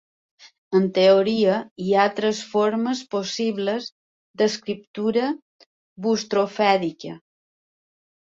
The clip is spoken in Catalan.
En teoria, hi ha tres formes possibles d'escriptura bustrofèdica.